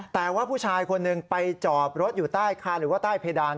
แต่ว่าผู้ชายคนหนึ่งไปจอบรถอยู่ใต้คาหรือว่าใต้เพดาน